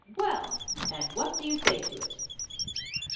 "Well, and what do you say to it